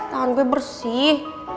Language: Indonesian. tangan gue bersih